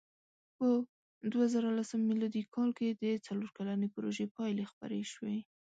په دوهزرهلسم مېلادي کال کې د څلور کلنې پروژې پایلې خپرې شوې.